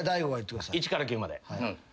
１から９まで。